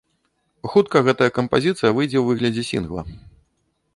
Хутка гэтая кампазіцыя выйдзе ў выглядзе сінгла.